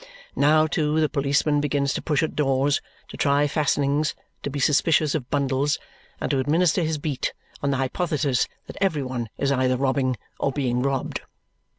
Now, too, the policeman begins to push at doors; to try fastenings; to be suspicious of bundles; and to administer his beat, on the hypothesis that every one is either robbing or being robbed.